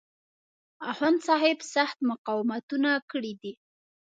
اخوندصاحب سخت مقاومتونه کړي دي.